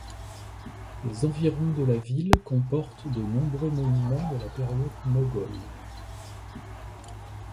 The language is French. Les environs de la ville comportent de nombreux monuments de la période moghole.